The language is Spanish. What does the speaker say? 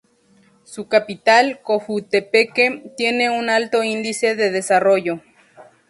Su capital, Cojutepeque, tiene un alto índice de desarrollo.